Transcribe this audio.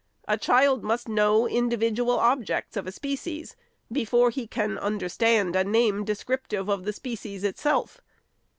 A child must know in dividual objects of a species, before he can understand a name descriptive of the species itself.